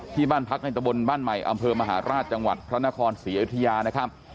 ที่บ้านพักในตะบนบ้านใหม่อำเภอมหาราชจังหวัดพระนครศรีอยุธยานะครับ